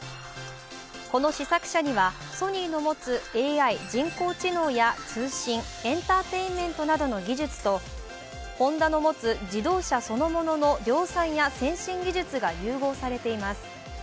この試作車には、ソニーの持つＡＩ＝人工知能や通信、エンターテインメントなどの技術とホンダの持つ自動車そのものの量産や先進技術が融合されています。